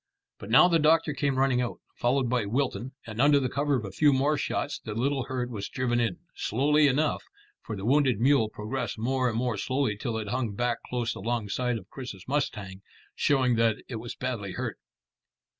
But now the doctor came running out, followed by Wilton, and under the cover of a few more shots the little herd was driven in, slowly enough, for the wounded mule progressed more and more slowly till it hung back close alongside of Chris's mustang, showing that it was badly hurt.